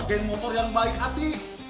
geng motor yang baik hati